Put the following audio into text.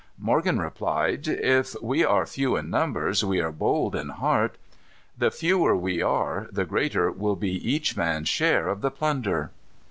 Morgan replied: "If we are few in numbers, we are bold in heart. The fewer we are the greater will be each man's share of the plunder."